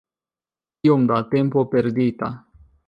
Kiom da tempo perdita!